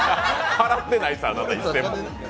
払ってないです、あなた、一銭も。